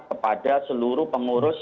kepada seluruh pengurus